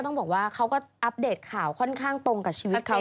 ต้องบอกว่าเขาก็อัปเดตข่าวค่อนข้างตรงกับชีวิตเขา